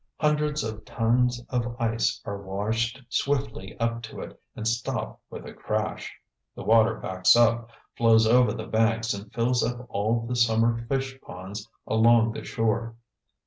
Hundreds of tons of ice are washed swiftly up to it and stop with a crash. The water backs up, flows over the banks and fills up all the summer fish ponds along the shore.